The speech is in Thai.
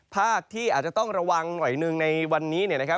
ภาคที่อาจจะต้องระวังหน่อยหนึ่งในวันนี้เนี่ยนะครับ